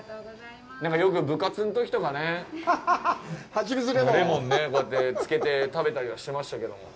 よく部活のときとかね、レモンねこうやって漬けて食べたりはしてましたけども。